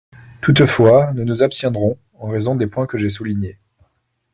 Toutefois, nous nous abstiendrons, en raison des points que j’ai soulignés.